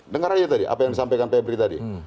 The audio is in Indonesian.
dengar saja tadi apa yang disampaikan pebri tadi